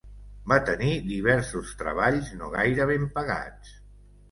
Va tenir diversos treballs no gaire ben pagats.